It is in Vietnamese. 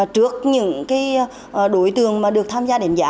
trước những đối tượng mà được tham gia đánh giá